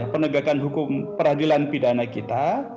penegakan hukum peradilan pidana kita